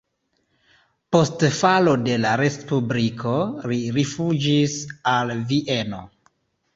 Post falo de la respubliko li rifuĝis al Vieno.